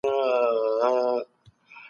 اسلام د تورو زړونو لپاره صیقل دی.